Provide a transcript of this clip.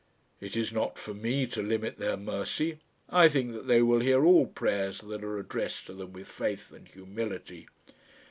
"It is not for me to limit their mercy. I think that they will hear all prayers that are addressed to them with faith and humility."